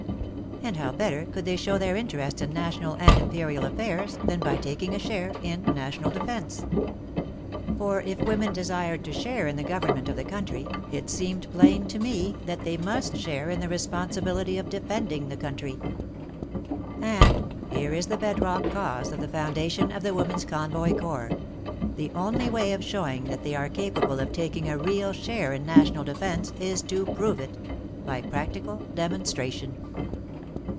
And how better could they show their interest in na WAR AND WOMEN 9 tional and imperial affairs than by taking a share in National Defence} For if women desired to share in the government of the country, it seemed plain to me that they must share in the responsibility of defending the country. And — here is the bedrock cause of the foundation of the Women's Convoy Corps — the only way of showing that they are capable of taking a real share in National Defence is to prove it — by practical demon stration.